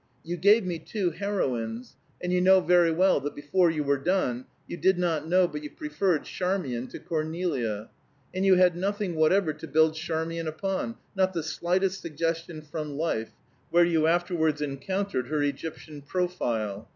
You gave me two heroines, and you know very well that before you were done you did not know but you preferred Charmian to Cornelia. And you had nothing whatever to build Charmian upon, not the slightest suggestion from life, where you afterwards encountered her Egyptian profile!